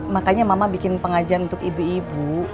makanya mama bikin pengajian untuk ibu ibu